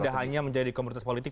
tidak hanya menjadi komunitas politik